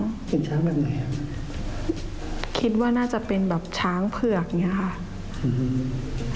เห็นช้างแบบไหนอ่ะคิดว่าน่าจะเป็นแบบช้างเผือกอย่างเงี้ยค่ะอืม